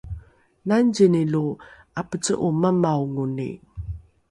nangzini lo ’apece’o mamaongoni?